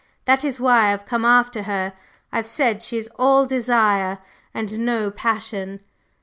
That is why I have come after her here. I have said she is all desire and no passion.